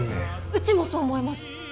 うちもそう思います！